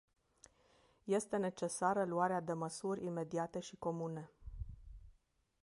Este necesară luarea de măsuri imediate și comune.